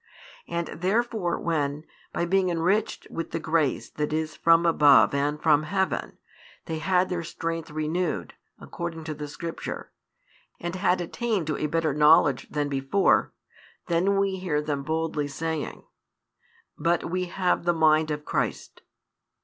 And therefore when, by being enriched with the grace that is from above and from heaven, they had their strength renewed, according to the Scripture, and had attained to a better knowledge than before, then we hear them boldly saying: But we have the mind of Christ.